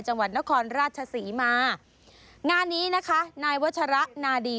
จังหวัดนครราชศรีมางานนี้นะคะนายวัชระนาดี